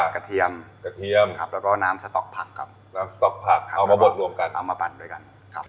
เทียมกระเทียมครับแล้วก็น้ำสต๊อกผักครับน้ำสต๊อกผักครับเอามาบดรวมกันเอามาปั่นด้วยกันครับ